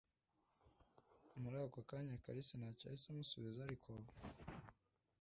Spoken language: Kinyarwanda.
Muri ako kanya Karisa nta cyo yahise amusubiza ariko